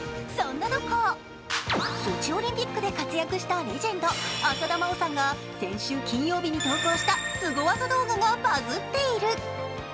そんな中ソチオリンピックで活躍したレジェンド・浅田真央さんが先週金曜日に投稿したスゴ技動画がバズっている。